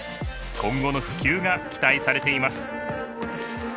今後の普及が期待されています。